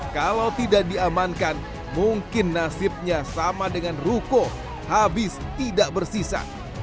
kalau tidak diamankan mungkin nasibnya sama dengan ruko habis tidak bersisa